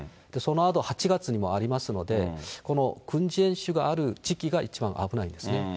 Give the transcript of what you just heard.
そのあと、８月にもありますので、この軍事演習がある時期が一番危ないんですね。